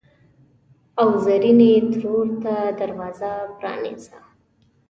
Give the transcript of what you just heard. او زرینې ترور ته دروازه پرانیزه!